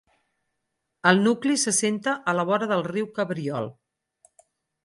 El nucli s'assenta a la vora del riu Cabriol.